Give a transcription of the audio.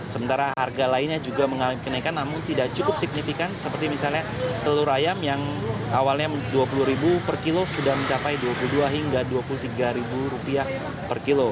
sementara harga lainnya juga mengalami kenaikan namun tidak cukup signifikan seperti misalnya telur ayam yang awalnya rp dua puluh per kilo sudah mencapai rp dua puluh dua hingga rp dua puluh tiga per kilo